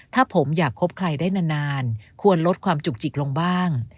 ถ้าผมอยากคบใครได้นานควรลดความจุกจิกลงบ้าง